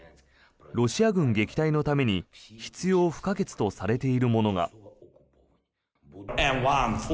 ロシア軍撃退のために必要不可欠とされているものが。